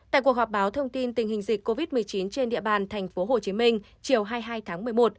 tại cuộc họp báo thông tin tình hình dịch covid một mươi chín trên địa bàn tp hcm chiều hai mươi hai tháng một mươi một